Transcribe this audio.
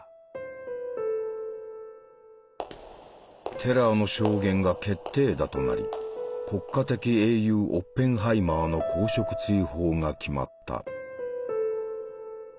テラーの証言が決定打となり国家的英雄オッペンハイマーの公職追放が決まった。